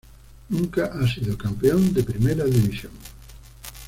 Nunca ha sido campeón de Primera División.